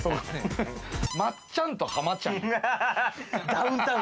松っちゃんと浜ちゃんや。